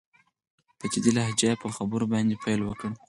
په جدي لهجه يې په خبرو باندې پيل وکړ.